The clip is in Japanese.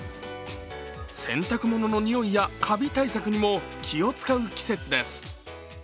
洗濯物のにおいやカビ対策にも気を使う季節です。